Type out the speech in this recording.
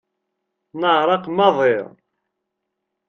Neεreq maḍi.